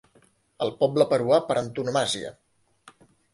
El poble peruà per antonomàsia.